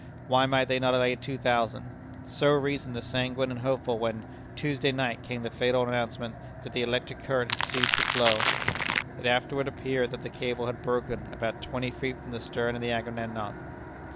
Why might they not lay two thousand? So reasoned the sanguine and hopeful when, Tuesday night, came the fatal announcement that the electric current had ceased to flow. It afterward appeared that the cable had broken about twenty feet from the stern of the Agamemnon.